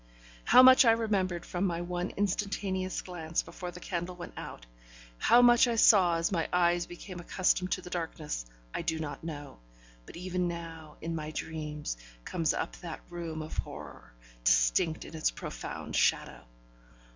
How much I remembered from my one instantaneous glance before the candle went out, how much I saw as my eyes became accustomed to the darkness, I do not know, but even now, in my dreams, comes up that room of horror, distinct in its profound shadow.